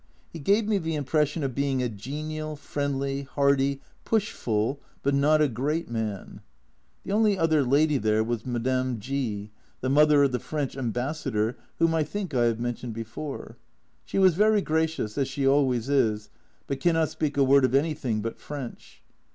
He gave me the impression of being a genial, friendly, hardy, pushful, but not a great man. The only A Journal from Japan 237 other lady there was Madame G , the mother of the French Ambassador, whom I think I have mentioned before. She was very gracious, as she always is, but cannot speak a word of anything but French.